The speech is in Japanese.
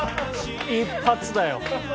一発だよ。